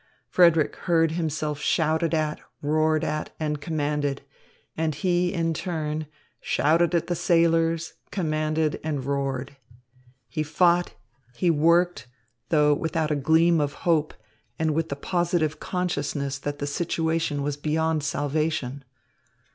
Frederick heard himself shouted at, roared at, and commanded, and he, in turn, shouted at the sailors, commanded, and roared. He fought, he worked, though without a gleam of hope and with the positive consciousness that the situation was beyond salvation.